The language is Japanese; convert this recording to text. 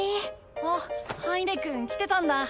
あっ羽稲くん来てたんだ。